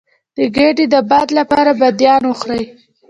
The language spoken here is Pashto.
د ګیډې د باد لپاره بادیان وخورئ